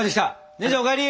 姉ちゃんお帰り！